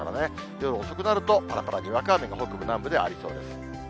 夜遅くなると、ぱらぱらにわか雨が、北部、南部でありそうです。